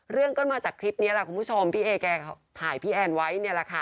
เรื่องก็มาจากคลิปนี้แหละคุณผู้ชมพี่เอแกถ่ายพี่แอนไว้เนี่ยแหละค่ะ